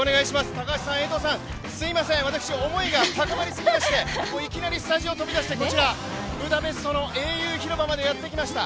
高橋さん、江藤さん、すいません、思いが高まりすぎていきなりスタジオ飛び出して、こちらブダペストの英雄広場までやってきました。